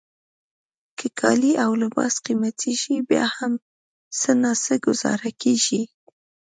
که کالي او لباس قیمته شي بیا هم څه ناڅه ګوزاره کیږي.